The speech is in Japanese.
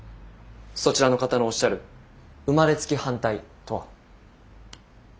そちらの方のおっしゃる生まれつき反対とは。